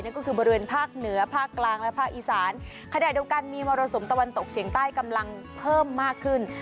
ก็คือบริเวณภาคเหนือภาคกลางและภาคอีสานขณะเดียวกันมีมรสุมตะวันตกเฉียงใต้กำลังเพิ่มมากขึ้น